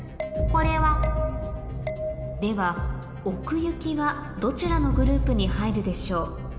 これは？では「おくゆき」はどちらのグループに入るでしょう？